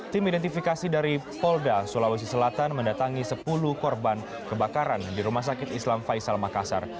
tim identifikasi dari polda sulawesi selatan mendatangi sepuluh korban kebakaran di rumah sakit islam faisal makassar